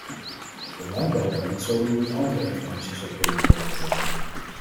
De landbouw kan niet zomaar met andere economische sectoren worden vergeleken.